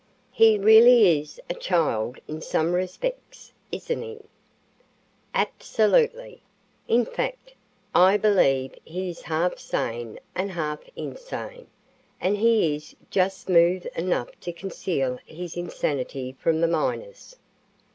"He really is a child in some respects, isn't he?" "Absolutely. In fact, I believe he is half sane and half insane, and he is just smooth enough to conceal his insanity from the miners."